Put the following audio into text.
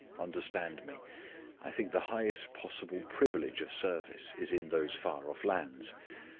Understand me, I think the highest possible privilege of service is in those far off lands.